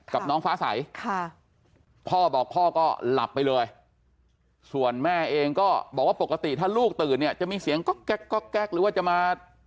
ก็บอกว่าปกติถ้าลูกตื่นเนี่ยจะมีเสียงก็แก๊กก็แก๊กหรือว่าจะมา